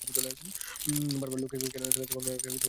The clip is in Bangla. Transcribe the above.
বারবার লোকে কেন এক এলাকা থেকে অন্য এলাকায় প্রেমপত্র দিতে না করে?